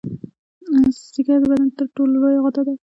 ځیګر د بدن تر ټولو لویه غده ده